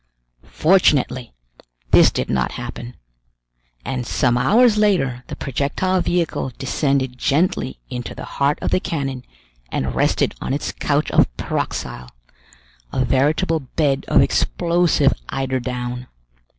Fortunately this did not happen; and some hours later the projectile vehicle descended gently into the heart of the cannon and rested on its couch of pyroxyle, a veritable bed of explosive eider down.